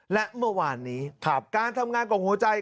และเมื่อวานนี้การทำงานของหัวใจ